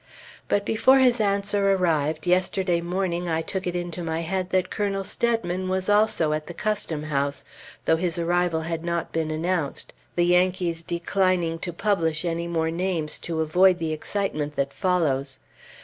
But before his answer arrived, yesterday morning I took it into my head that Colonel Steadman was also at the Custom House, though his arrival had not been announced, the Yankees declining to publish any more names to avoid the excitement that follows.